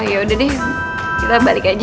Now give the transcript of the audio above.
yaudah deh kita balik aja